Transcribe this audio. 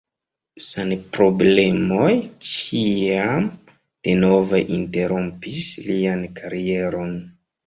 Sanproblemoj ĉiam denove interrompis lian karieron.